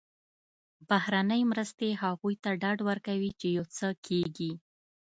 بهرنۍ مرستې هغوی ته ډاډ ورکوي چې یو څه کېږي.